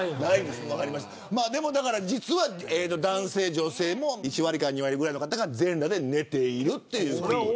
実は、男性女性も１割、２割の方は全裸で寝ているということです。